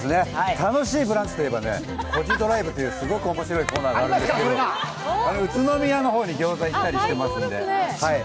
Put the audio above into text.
楽しい「ブランチ」といえば、「コジドライブ」というすごく面白いコーナーがあって宇都宮の方にドライブに行ったりしてまして。